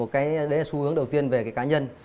cái đấy là xu hướng đầu tiên về cái cá nhân